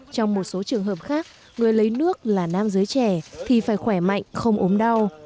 trong một số trường hợp khác người lấy nước là nam giới trẻ thì phải khỏe mạnh không ốm đau